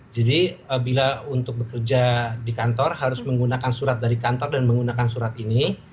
jadi bila untuk bekerja di kantor harus menggunakan surat dari kantor dan menggunakan surat ini